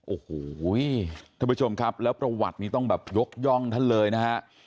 โอ้โหท่านผู้ชมครับแล้วประวัตินี้ต้องแบบยกย่องท่านเลยนะฮะ